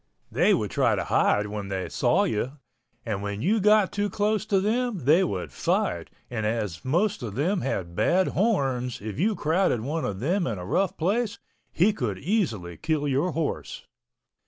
They would try to hide when they saw you, and when you got too close to them they would fight and as most of them had bad horns if you crowded one of them in a rough place he could easily kill your horse.